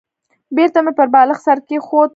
بېرته مې پر بالښت سر کېښود.